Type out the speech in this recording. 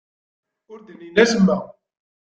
Ur d-nnin acemma.